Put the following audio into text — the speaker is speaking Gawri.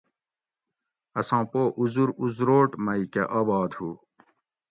اساں پو اُزر اُزروٹ مئ کہ آباد ھو